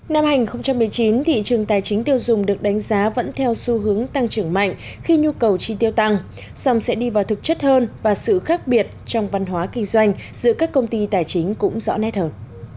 năm hai nghìn một mươi chín thị trường tài chính tiêu dùng được đánh giá vẫn theo xu hướng tăng trưởng mạnh khi nhu cầu chi tiêu tăng dòng sẽ đi vào thực chất hơn và sự khác biệt trong văn hóa kinh doanh giữa các công ty tài chính cũng rõ nét hơn